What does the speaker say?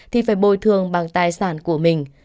thì phải bồi thường bằng tài sản